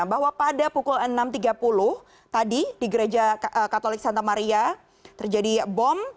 bahwa pada pukul enam tiga puluh tadi di gereja katolik santa maria terjadi bom